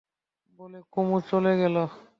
বলে কুমু চলে গেল।